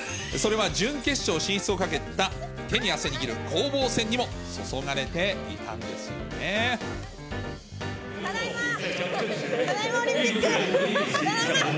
それは準決勝進出をかけた、手に汗握る攻防戦にも注がれていただいま。